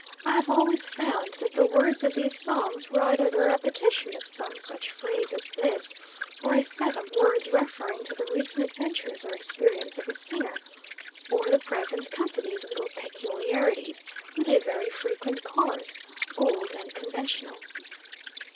I have always found that the words of these songs were either the repetition of some such phrase as this, or a set of words referring to the recent adventures or experiences of the singer or the present company's little peculiarities; with a very frequent chorus, old and conventional.